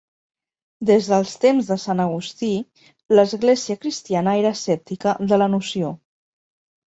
Des dels temps de Sant Agustí, l'Església cristiana era escèptica de la noció.